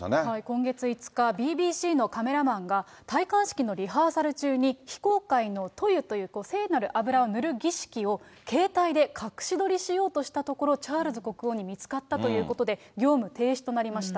今月５日、ＢＢＣのカメラマンが、戴冠式のリハーサル中に、非公開の塗油という、聖なる油を塗る儀式を携帯で隠し撮りしようとしたところ、チャールズ国王に見つかったということで、業務停止となりました。